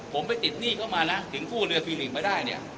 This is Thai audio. ผมไปติดหนี้เข้ามานะถึงกู้เรือฟิลิกมาได้เนี่ย